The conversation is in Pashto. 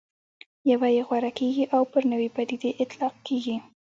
یوه یې غوره کېږي او پر نوې پدیدې اطلاق کېږي.